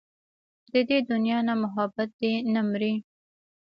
د دې دنيا نه محبت دې نه مري